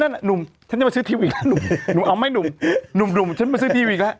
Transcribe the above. หนุ่มฉันจะมาซื้อทีวีอีกแล้วหนุ่มเอาไม่หนุ่มหนุ่มฉันมาซื้อทีมอีกแล้ว